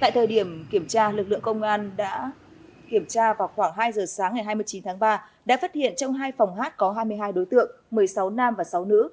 tại thời điểm kiểm tra lực lượng công an đã kiểm tra vào khoảng hai giờ sáng ngày hai mươi chín tháng ba đã phát hiện trong hai phòng hát có hai mươi hai đối tượng một mươi sáu nam và sáu nữ